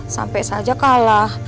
sampai saja kalah